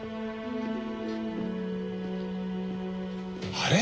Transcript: あれ？